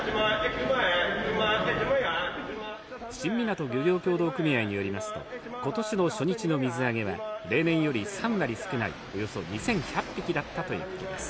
新湊漁業協同組合によりますと、ことしの初日の水揚げは例年より３割少ないおよそ２１００匹だったということです。